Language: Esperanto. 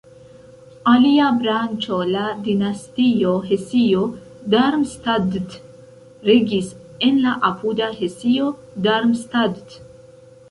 Alia branĉo, la dinastio Hesio-Darmstadt regis en la apuda Hesio-Darmstadt.